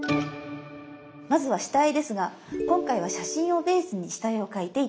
まずは下絵ですが今回は写真をベースに下絵を描いて頂きます。